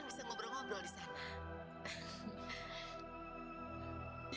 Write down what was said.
desa rana gatotri untung